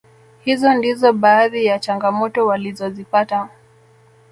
Hizo ndizo baadhi ya changamoto walizozipata